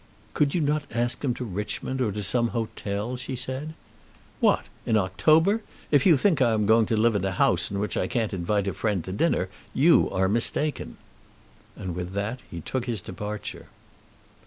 "Could you not ask them to Richmond, or to some hotel?" she said. "What; in October! If you think that I am going to live in a house in which I can't invite a friend to dinner, you are mistaken." And with that he took his departure.